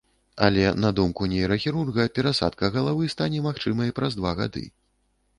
Але на думку нейрахірурга, перасадка галавы стане магчымай праз два гады.